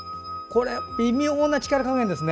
微妙な力加減ですね。